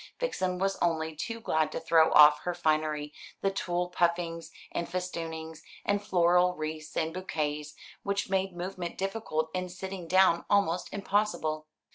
Vixen was only too glad to throw off her finery, the tulle puffings and festoonings, and floral wreaths and bouquets, which made movement difficult and sitting down almost impossible.